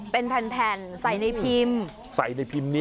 เป็นแผ่นใส่ในพิมพ์ใส่ในพิมพ์นี้